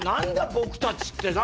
“僕たち”ってさ！」